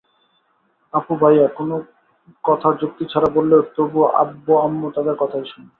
আপু-ভাইয়া কোনো কথা যুক্তি ছাড়া বললেও, তবু আব্বু-আম্মু তাদের কথাই শোনে।